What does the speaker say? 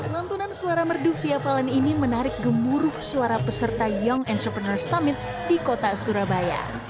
lantunan suara merdu via valen ini menarik gemuruh suara peserta young entrepreneur summit di kota surabaya